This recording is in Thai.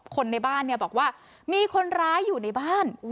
คนในบ้านเนี่ยบอกว่ามีคนร้ายอยู่ในบ้าน